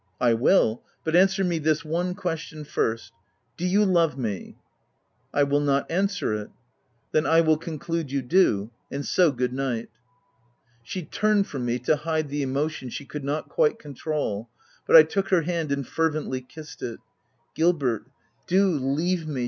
" I will ; but answer me this one question first ;— do you love me?" " I will not answer it !"" Then I will conclude you do ; and so good night." She turned from me to hide the emotion she could not quite controul ; but I took her hand and fervently kissed it. u Gilbert, do leave me